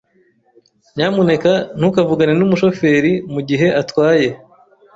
Nyamuneka ntukavugane numushoferi mugihe atwaye.